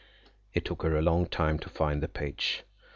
It took her a long time to find the page.